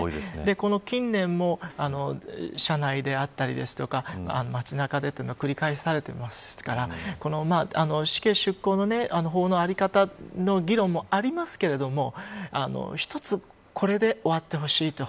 この近年も車内であったりですとか街中で、というのが繰り返されていますから死刑執行の法の在り方の議論もありますけれども一つ、これで終わってほしいと。